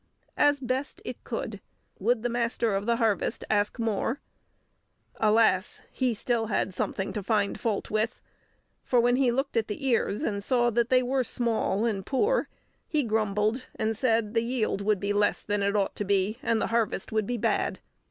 As best it could! Would the Master of the Harvest ask more? Alas! he had still something to find fault with, for when he looked at the ears and saw that they were small and poor, he grumbled, and said the yield would be less than it ought to be, and the harvest would be bad.